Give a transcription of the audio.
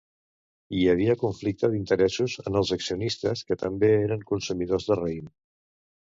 Hi havia conflicte d'interessos en els accionistes que també eren consumidors de raïm.